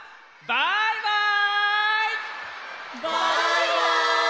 バイバイ！